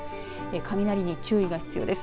雷に注意が必要です。